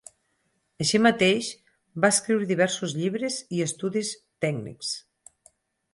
Així mateix va escriure diversos llibres i estudis tècnics.